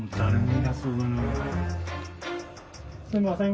すいません。